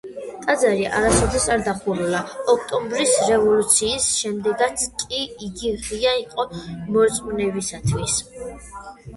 ტაძარი არასოდეს არ დახურულა, ოქტომბრის რევოლუციის შემდეგაც კი იგი ღია იყო მორწმუნეებისათვის.